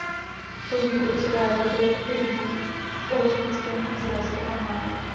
Po vzniku Izraele byl Irgun rozpuštěn v izraelské armádě.